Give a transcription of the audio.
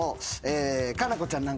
佳菜子ちゃん。